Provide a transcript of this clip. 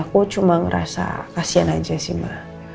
aku cuma ngerasa kasian aja sih mbak